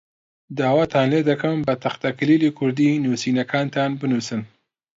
داواتان لێ دەکەم بە تەختەکلیلی کوردی نووسینەکانتان بنووسن.